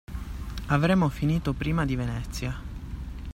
Avremo finito prima di Venezia.